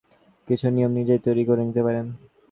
অবশ্য ভালো ঘুমের জন্য সহজ কিছু নিয়ম নিজেই তৈরি করে নিতে পারেন।